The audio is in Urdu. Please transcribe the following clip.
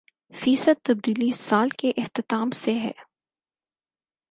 فیصد تبدیلی سال کے اختتام سے ہے